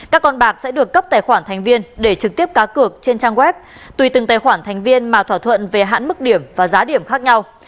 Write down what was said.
các con bạc sẽ được cấp tài khoản thành viên để trực tiếp cá cược trên trang web tùy từng tài khoản thành viên mà thỏa thuận về hạn mức điểm và giá điểm khác nhau